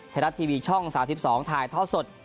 ไทยรัฐทีวีช่อง๓๒ถ่ายท่อสด